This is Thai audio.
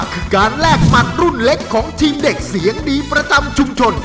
คือการแลกหมัดรุ่นเล็กของทีมเด็กเสียงดีประจำชุมชน